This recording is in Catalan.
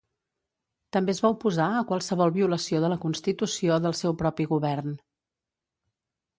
També es va oposar a qualsevol violació de la Constitució del seu propi govern.